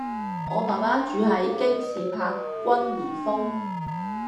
我爸爸住喺京士柏君頤峰